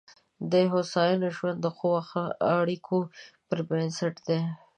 د هوساینې ژوند د ښو اړیکو پر بنسټ دی.